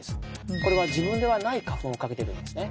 これは自分ではない花粉をかけているんですね。